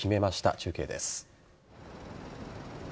中継です。